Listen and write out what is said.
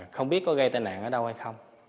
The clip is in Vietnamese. không biết có gây tai nạn ở đâu hay không